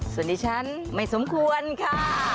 สวัสดีฉันไม่สมควรค่ะ